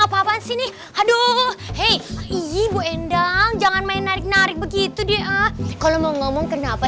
apa apa sini aduh hey ibu endang jangan main narik narik begitu dia kalau mau ngomong kenapa